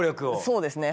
そうですね。